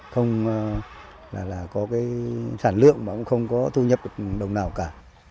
không có sản lượng không có thu nhập được đồng nào cả